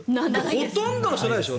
ほとんどの人ないでしょ。